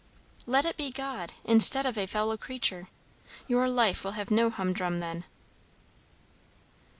"Let it be God, instead of a fellow creature. Your life will have no humdrum then."